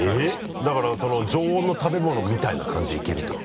だから常温の食べ物みたいな感じでいけるってこと？